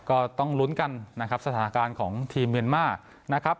ก็ต้องลุ้นกันนะครับสถานการณ์ของทีมเมียนมาร์นะครับ